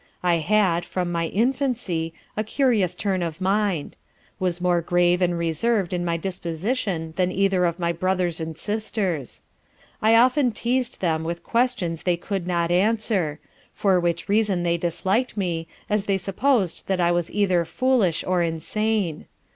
I had, from my infancy, a curious turn of mind; was more grave and reserved in my disposition than either of my brothers and sisters. I often teazed them with questions they could not answer: for which reason they disliked me, as they supposed that I was either foolish, or insane.